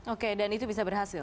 oke dan itu bisa berhasil